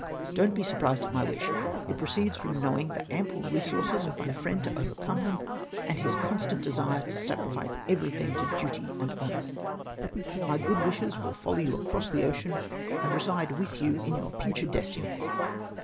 Don't be surprised at my wish. It pro ceeds from knowing the ample resources of my friend to overcome them, and his constant desire to sacrifice every thing to duty and honour. " My good wishes will follow you across the ocean, and re side with you in your future destinies.